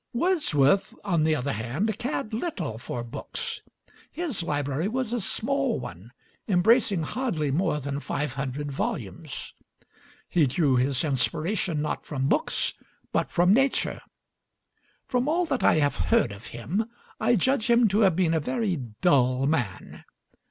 Wordsworth, on the other hand, cared little for books; his library was a small one, embracing hardly more than five hundred volumes. He drew his inspiration not from books, but from Nature. From all that I have heard of him I judge him to have been a very dull man.